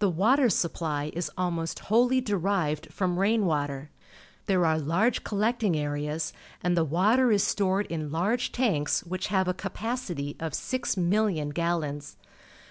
The water supply is almost whoUj^ derived from rain water. There are large collecting areas, and the water is stored in large tanks which have a capacity of 6,000,000 gallons.